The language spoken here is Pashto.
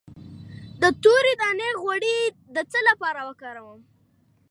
د تورې دانې غوړي د څه لپاره وکاروم؟